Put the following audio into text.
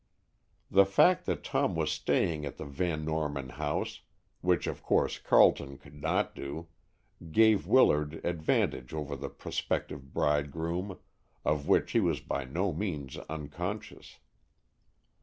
The fact that Tom was staying at the Van Norman house, which of course Carleton could not do, gave Willard an advantage over the prospective bridegroom, of which he was by no means unconscious.